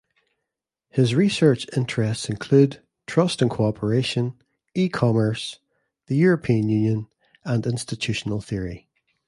His research interests include, trust and co-operation; E-commerce; the European Union; and institutional theory.